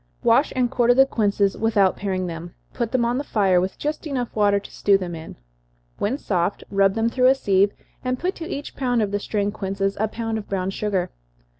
_ Wash and quarter the quinces, without paring them put them on the fire, with just water enough to stew them in. When soft, rub them through a sieve, and put to each pound of the strained quinces a pound of brown sugar.